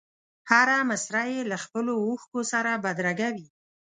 هره مسره یې له خپلو اوښکو سره بدرګه وي.